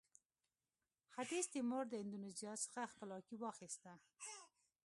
ختیځ تیمور د اندونیزیا څخه خپلواکي واخیسته.